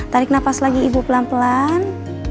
tarik nafas lagi ibu pelan pelan